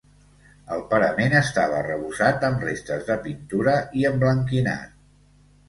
El parament estava arrebossat amb restes de pintura i emblanquinat.